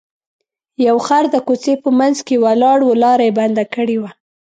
یو خر د کوڅې په منځ کې ولاړ و لاره یې بنده کړې وه.